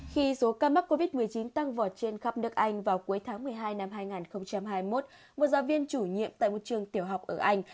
khi số ca mắc covid một mươi chín tăng vọt trên khắp nước anh vào cuối tháng một mươi hai năm hai nghìn hai mươi một một giáo viên chủ nhiệm tại một trường tiểu học ở anh